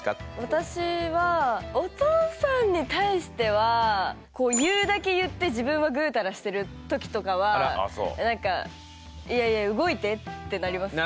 私はお父さんに対してはこう言うだけ言って自分はぐうたらしてるときとかはいやいや動いてってなりますね。